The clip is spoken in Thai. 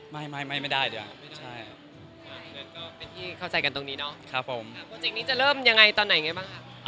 ไม่ไม่ไม่ได้เดี๋ยวไม่ใช่ก็เป็นที่เข้าใจกันตรงนี้เนาะครับผมโปรเจกต์นี้จะเริ่มยังไงตอนไหนไงบ้างคะ